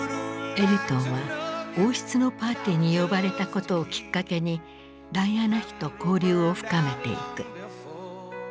エルトンは王室のパーティーに呼ばれたことをきっかけにダイアナ妃と交流を深めていく。